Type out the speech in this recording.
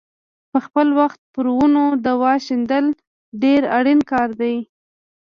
په خپل وخت پر ونو دوا شیندل ډېر اړین کار دی.